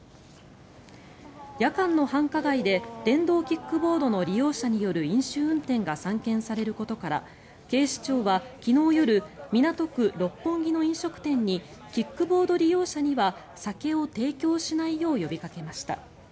夜間の繁華街で電動キックボードの利用者による飲酒運転が散見されることから警視庁は昨日夜港区六本木の飲食店にキックボード利用者には酒を提供しないよう呼びかけました。